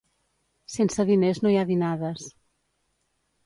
Sense diners no hi ha dinades.